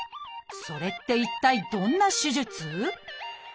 それって一体どんな手術？